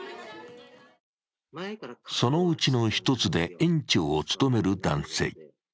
そのうちの１つで園長を務める男性